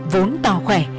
vốn to khỏe